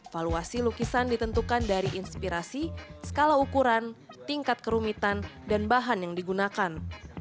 valuasi lukisan ditentukan dari inspirasi skala ukuran tingkat kerumitan dan bahan yang digunakan